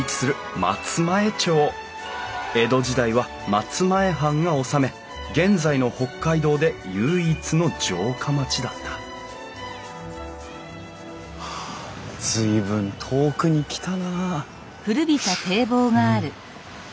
江戸時代は松前藩が治め現在の北海道で唯一の城下町だった随分遠くに来たな。